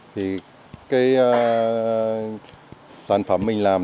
thì cái sản phẩm mình làm